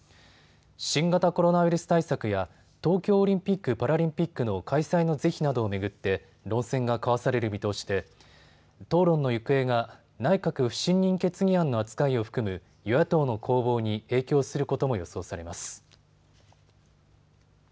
新型コロナウイルス対策や東京オリンピック・パラリンピックの開催の是非などを巡って論戦が交わされる見通しで討論の行方が内閣不信任決議案の扱いを含む与野党の攻防に影響することも予想されます。